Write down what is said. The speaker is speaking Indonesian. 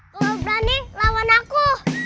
lo berani lawan aku